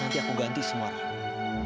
nanti aku ganti semua orang